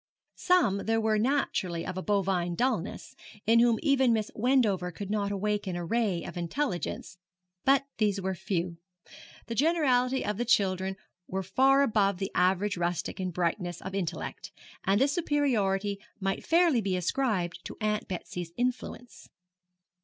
Some there were naturally of a bovine dullness, in whom even Miss Wendover could not awaken a ray of intelligence; but these were few. The generality of the children were far above the average rustic in brightness of intellect, and this superiority might fairly be ascribed to Aunt Betsy's influence.